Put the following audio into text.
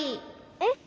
えっ？